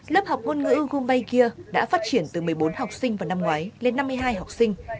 lớp học ngôn ngữ goombay geor đã phát triển từ một mươi bốn học sinh vào năm ngoái lên năm mươi hai học sinh